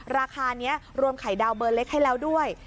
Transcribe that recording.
ราคานี้รวมไข่ดาวเบอร์เล็กให้แล้วด้วย